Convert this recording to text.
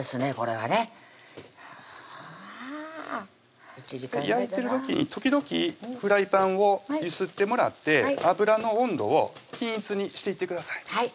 はぁ焼いてる時に時々フライパンを揺すってもらって油の温度を均一にしていってください